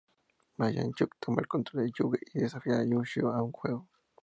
Yami Yugi toma el control de Yugi y desafía a Ushio a un juego.